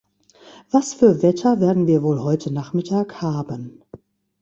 Was für Wetter werden wir wohl heute nachmittag haben?